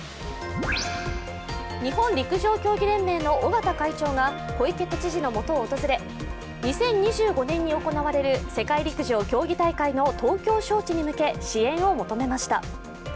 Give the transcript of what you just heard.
日本陸上競技連盟の尾縣会長が小池都知事のもとを訪れ２０２５年に行われる世界陸上競技大会の東京招致に向け支援を求めました。